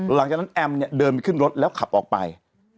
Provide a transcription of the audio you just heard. หลังจากนั้นแอมเนี่ยเดินขึ้นรถแล้วขับออกไป